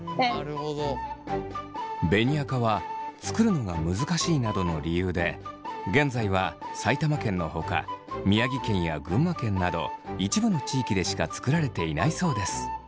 紅赤は作るのが難しいなどの理由で現在は埼玉県のほか宮城県や群馬県など一部の地域でしか作られていないそうです。